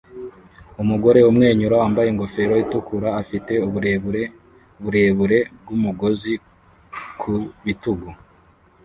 Umugore umwenyura wambaye ingofero itukura afite uburebure burebure bw'umugozi ku bitugu